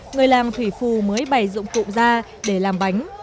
người làng thủy phù mới bày dụng cụm ra để làm bánh